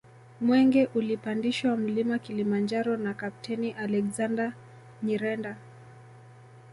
Mwenge ulipandishwa Mlima Kilimanjaro na Kapteni Alexander Nyirenda